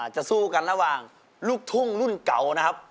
จะสู้กันระหว่างลูกทุ่งรุ่นเก่านะครับ